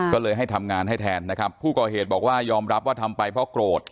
ก็เลยให้ทำงานให้แทนนะครับผู้ก่อเหตุบอกว่ายอมรับว่าทำไปเพราะโกรธ